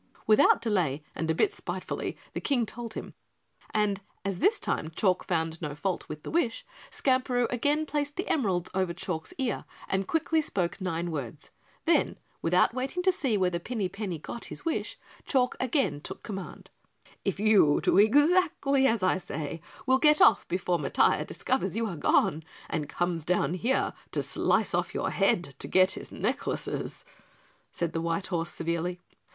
Without delay and a bit spitefully the King told him, and as this time Chalk found no fault with the wish, Skamperoo again placed the emeralds over Chalk's ear and quickly spoke nine words. Then, without waiting to see whether Pinny Penny got his wish, Chalk again took command. "If you do exactly as I say, we'll get off before Matiah discovers you are gone and comes down here to slice off your head to get his necklaces," said the white horse severely.